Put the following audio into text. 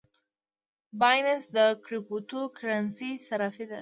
بایننس د کریپټو کرنسۍ صرافي ده